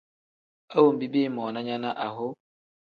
A wenbi biimoona nya ne aho.